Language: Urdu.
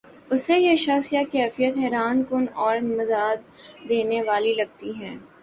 اسے یہ شخص یا کیفیت حیران کن اور مزا دینے والی لگتی ہے